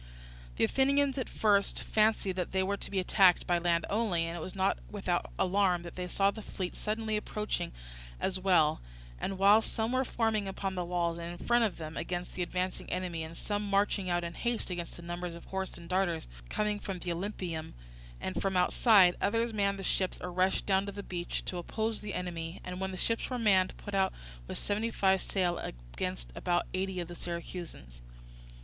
The Athenians at first fancied that they were to be attacked by land only, and it was not without alarm that they saw the fleet suddenly approaching as well; and while some were forming upon the walls and in front of them against the advancing enemy, and some marching out in haste against the numbers of horse and darters coming from the Olympieum and from outside, others manned the ships or rushed down to the beach to oppose the enemy, and when the ships were manned put out with seventy five sail against about eighty of the Syracusans.